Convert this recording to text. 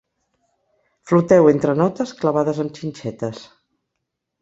Floteu entre notes clavades amb xinxetes.